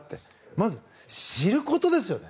まず知ることですよね。